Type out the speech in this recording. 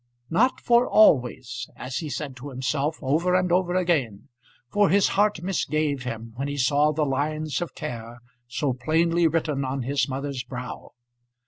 Not for always, as he said to himself over and over again; for his heart misgave him when he saw the lines of care so plainly written on his mother's brow.